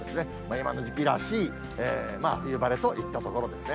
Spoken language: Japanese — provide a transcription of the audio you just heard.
今の時期らしい冬晴れといったところですね。